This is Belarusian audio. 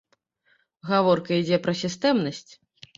Гаворка ідзе пра сістэмнасць.